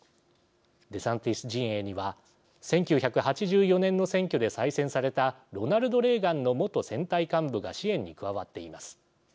デサンティス陣営には１９８４年の選挙で再選されたロナルド・レーガンの元選対幹部が支援に加わっています。